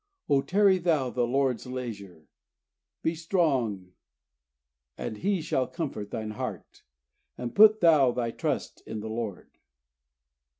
Oh, tarry thou the Lord's leisure: be strong, and He shall comfort thine heart; and put thou thy trust in the Lord."